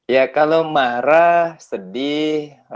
ya kalau marah sedih